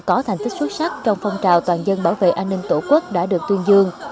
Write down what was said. có thành tích xuất sắc trong phong trào toàn dân bảo vệ an ninh tổ quốc đã được tuyên dương